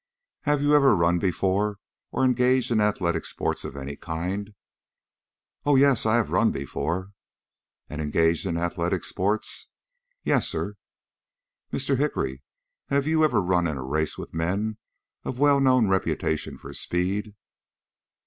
"Had you ever run before or engaged in athletic sports of any kind?" "Oh, yes, I have run before." "And engaged in athletic sports?" "Yes, sir." "Mr. Hickory, have you ever run in a race with men of well known reputation for speed?"